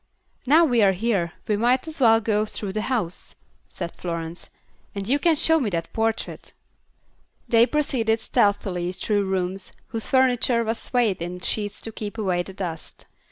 "Now we're here, we might as well go through the house," said Florence. "And you can show me the portrait." They proceeded stealthily through rooms whose furniture was swathed in sheets to keep away the dust.